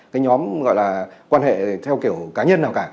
cái nhóm gọi là quan hệ theo kiểu cá nhân nào cả